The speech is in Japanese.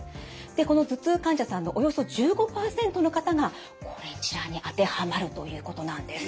でこの頭痛患者さんのおよそ１５％の方がこれ一覧に当てはまるということなんです。